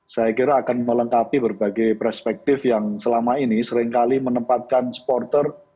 saya kira akan melengkapi berbagai perspektif yang selama ini seringkali menempatkan supporter